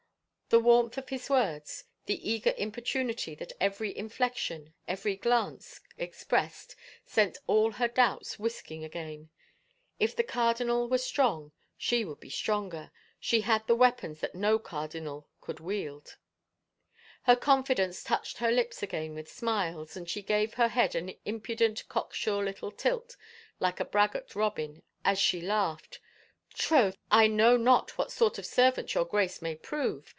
The warmth of his words, the eager importunity that every inflection, every glance expressed sent all her doubts whisking again. If the cardinal were strong, she would be stronger, she that had weapons that no cardinal could wield! Her confidence touched her lips again with smiles, and she gave her head an impudent cock sure little tilt like a braggart robin, as she laughed, " Troth, I know not what sort of servant your Grace may prove!